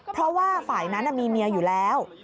เพราะว่าฝ่ายนั้นมีเมียอยู่แล้ว